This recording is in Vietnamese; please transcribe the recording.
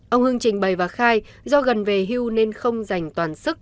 ông hưng trình bày và khai do gần về hưu nên không dành toàn sức